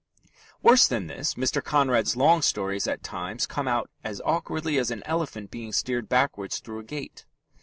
Worse than this, Mr. Conrad's long stories at times come out as awkwardly as an elephant being steered backwards through a gate.